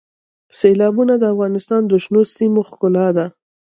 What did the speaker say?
سیلابونه د افغانستان د شنو سیمو ښکلا ده.